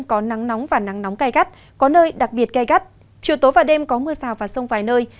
có nắng nóng và nắng nóng cay gắt có nơi đặc biệt cay gắt chiều tối và đêm có mưa rào và rông vài nơi